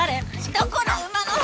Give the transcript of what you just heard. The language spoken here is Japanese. どこの馬の骨！？